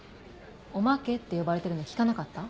「おまけ」って呼ばれてるの聞かなかった？